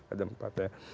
ada empat ya